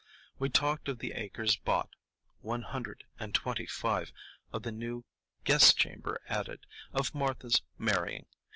We talked of the acres bought,—one hundred and twenty five,—of the new guest chamber added, of Martha's marrying.